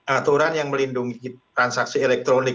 aturan yang melindungi transaksi elektronik